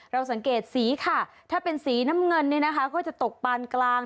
เราสังเกตสีค่ะถ้าเป็นสีน้ำเงินเนี่ยนะคะก็จะตกปานกลาง